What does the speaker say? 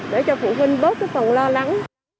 để cho phụ huynh bớt cái phần lo lắng